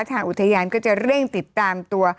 ทางอุทยานก็จะเร่งติดตามตัว